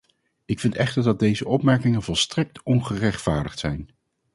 Ik vind echter dat deze opmerkingen volstrekt ongerechtvaardigd zijn.